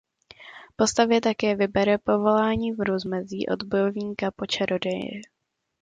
Postavě také vybere povolání v rozmezí od bojovníka po čaroděje.